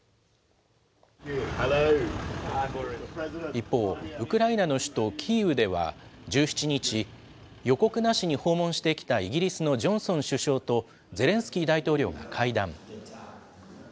一方、ウクライナの首都キーウでは１７日、予告なしに訪問してきたイギリスのジョンソン首相とゼレンスキー大統領が会談。